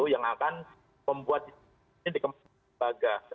yang akan membuat ini dikembangkan ke lembaga